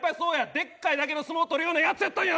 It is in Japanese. でっかいだけの相撲取るようなヤツやったんや！